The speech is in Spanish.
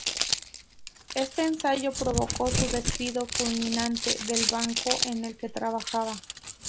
Este ensayo provocó su despido fulminante del banco en el que trabajaba.